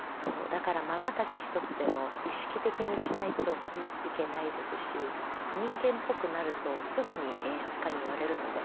だから瞬き一つでも意識的にしないといけないですし人間っぽくなるとすぐに演出家に言われるので。